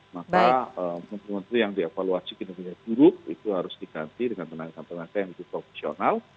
maka menteri menteri yang dievaluasi kinerja buruk itu harus diganti dengan tenaga tenaga yang lebih profesional